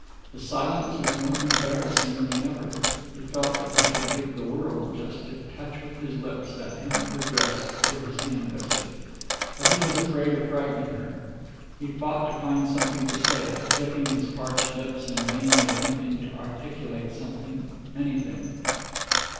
The silence was more embarrassing than ever. He felt that he could give the world just to touch with his lips that hem of her dress where his hand rested. But he was afraid of frightening her. He fought to find something to say, licking his parched lips and vainly attempting to articulate something, anything.